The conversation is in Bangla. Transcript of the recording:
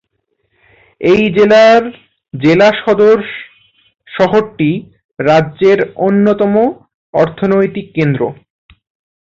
এই জেলার জেলা সদর শহরটি রাজ্যের অন্যতম অর্থনৈতিক কেন্দ্র।